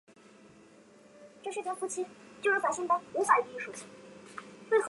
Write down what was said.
曾铣人。